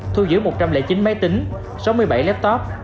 thu giữ một trăm linh chín máy tính sáu mươi bảy laptop